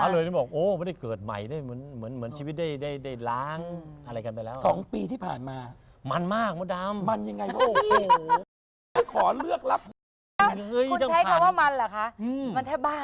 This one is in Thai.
ที่บอกตืดขี่ถูกขาพอถูกขาด์เพราะไม่ได้เกิดใหม่แล้ว